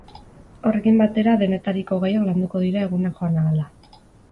Horrekin batera, denetariko gaiak landuko dira egunak joan ahala.